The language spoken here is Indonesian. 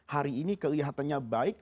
hari ini kelihatannya baik